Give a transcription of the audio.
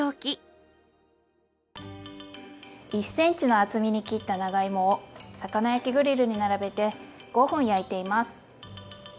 １ｃｍの厚みに切った長芋を魚焼きグリルに並べて５分焼いています。